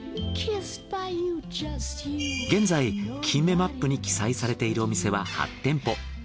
現在「キンメマップ」に記載されているお店は８店舗。